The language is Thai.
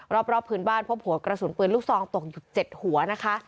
รอบพื้นบ้านพบหัวกระสุนปืนลูกซองตกอยู่๗หัวนะคะ